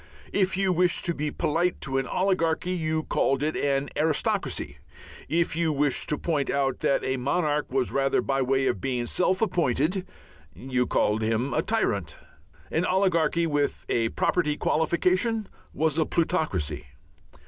If you wished to be polite to an oligarchy you called it an aristocracy; if you wished to point out that a monarch was rather by way of being self appointed, you called him a Tyrant. An oligarchy with a property qualification was a plutocracy.